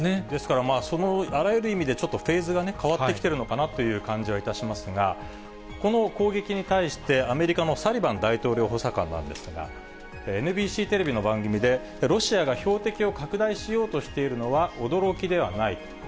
ですから、あらゆる意味で、ちょっとフェーズが変わってきてるのかなという感じはいたしますが、この攻撃に対して、アメリカのサリバン大統領補佐官なんですが、ＮＢＣテレビの番組で、ロシアが標的を拡大しようとしているのは驚きではない。